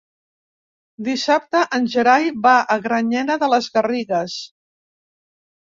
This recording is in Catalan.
Dissabte en Gerai va a Granyena de les Garrigues.